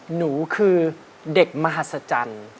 หนูคือเด็กมหัศจรรย์